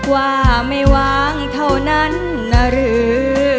ว่าไม่วางเท่านั้นนะหรือ